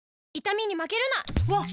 わっ！